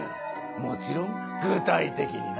もちろん具体的にな。